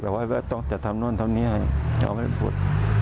แต่ว่าต้องจะทำนู่นทำนี่ให้เขาไม่ได้พูด